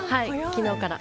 昨日から。